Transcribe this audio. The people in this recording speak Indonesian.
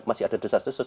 masih ada desas desus